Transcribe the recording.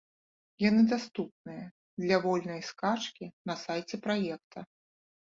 Яны даступныя для вольнай скачкі на сайце праекта.